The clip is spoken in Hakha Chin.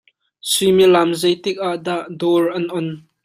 Suimilam zei tik ah dah dawr an on?